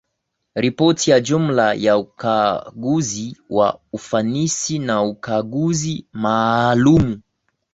Ripoti ya jumla ya ukaguzi wa ufanisi na ukaguzi maalumu